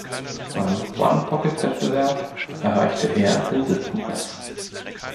Beim One-Pocket-Wettbewerb erreichte er den siebten Platz.